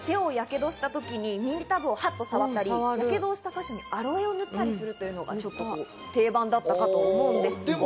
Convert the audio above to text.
手をやけどした時に耳たぶをはっ！と触ったり、やけどした箇所にアロエを塗ったりするというのが定番だったかと思うんです。